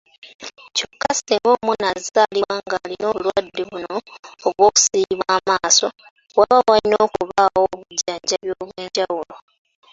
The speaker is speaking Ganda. Kyokka singa omwana azaalibwa ng'ayina obulwadde buno obw'okusiiyibwa amaaso, waba wayina okubaawo obujjanjabi obw'enjawulo